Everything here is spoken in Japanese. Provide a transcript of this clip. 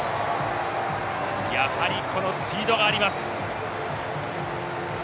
やはりスピードがあります。